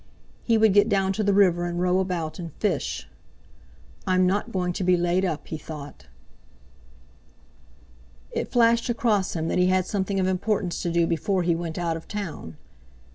He would get down to the river and row about, and fish. "I'm not going to be laid up," he thought. It flashed across him that he had something of importance to do before he went out of town.